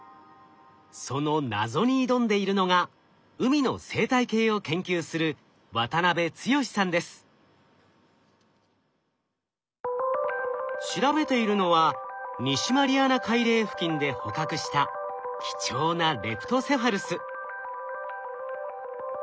その謎に挑んでいるのが海の生態系を研究する調べているのは西マリアナ海嶺付近で捕獲した貴重なレプトセファルス。